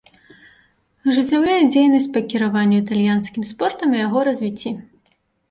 Ажыццяўляе дзейнасць па кіраванню італьянскім спортам і яго развіцці.